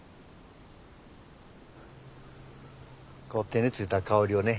こう手に付いた香りをね